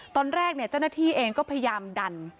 ตอนแรกเจ้าหน้าที่เองก็พยายามดัน